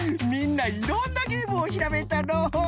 みんないろんなゲームをひらめいたのう。